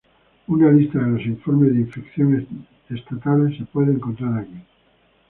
Una lista de los informes de infección estatales se puede encontrar aquí.